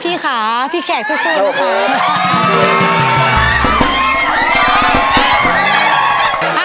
พี่ค่ะพี่แขกสู้นะคะ